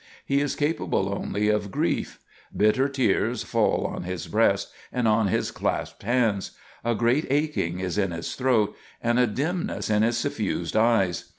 He is capable only of grief. Bitter tears fall on his breast and on his clasped hands. A great aching is in his throat, and a dimness in his suffused eyes.